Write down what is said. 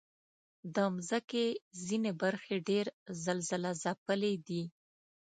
د مځکې ځینې برخې ډېر زلزلهځپلي دي.